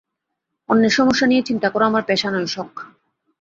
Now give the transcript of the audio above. অন্যের সমস্যা নিয়ে চিন্তা করা আমার পেশা নয়, শখ।